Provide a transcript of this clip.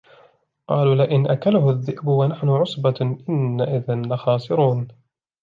قَالُوا لَئِنْ أَكَلَهُ الذِّئْبُ وَنَحْنُ عُصْبَةٌ إِنَّا إِذًا لَخَاسِرُونَ